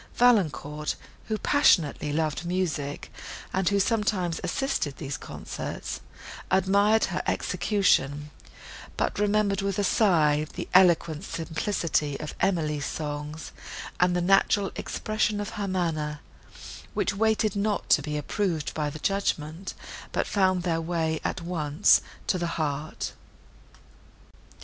Valancourt, who passionately loved music, and who sometimes assisted at these concerts, admired her execution, but remembered with a sigh the eloquent simplicity of Emily's songs and the natural expression of her manner, which waited not to be approved by the judgment, but found their way at once to the heart.